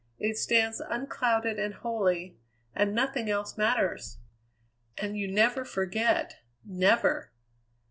It stands unclouded and holy; and nothing else matters." "And you never forget never!"